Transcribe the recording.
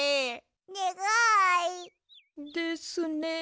にがい！ですね。